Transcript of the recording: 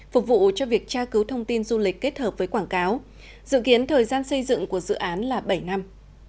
phục vụ cho việc tra cứu thông tin du lịch kết hợp với quảng cáo dự kiến thời gian xây dựng của dự án là bảy năm